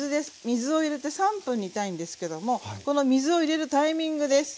水を入れて３分煮たいんですけどもこの水を入れるタイミングです。